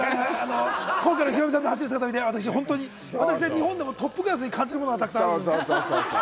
今回のヒロミさんの走る姿を見て、私は本当に日本のトップクラスに感じるものがありました。